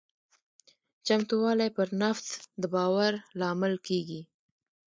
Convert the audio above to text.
چمتووالی پر نفس د باور لامل کېږي.